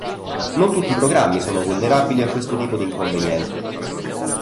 Non tutti i programmi sono vulnerabili a questo tipo di inconveniente.